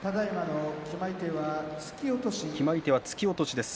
決まり手は突き落としです。